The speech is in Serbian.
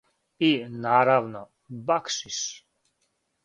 И, наравно, бакшиш.